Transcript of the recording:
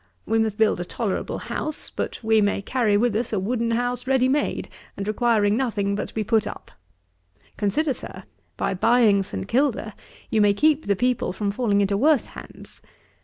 We must build a tolerable house: but we may carry with us a wooden house ready made, and requiring nothing but to be put up. Consider, Sir, by buying St. Kilda, you may keep the people from falling into worse hands.